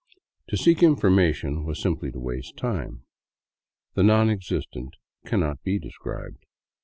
To seek information was simply to waste time. The non existent cannot be described.